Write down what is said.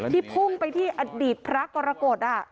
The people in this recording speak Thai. พุ่งไปที่อดีตพระกรกฎ